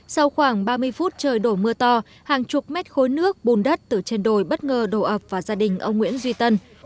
sau khoảng ba mươi phút trời đổ mưa to hàng chục mét khối nước bùn đất từ trên đồi bất ngờ đổ ập vào gia đình ông nguyễn duy tân